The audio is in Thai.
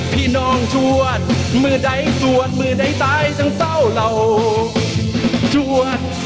ปริศนาทั้ง๓ท่านนี้